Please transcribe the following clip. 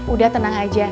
udah tenang aja